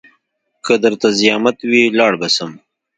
که درته زيامت وي لاړ به سم.